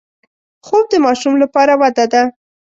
خوب د ماشوم لپاره وده ده